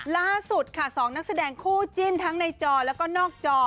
ล่าสุดค่ะ๒นักแสดงคู่จิ้นทั้งในจอแล้วก็นอกจอ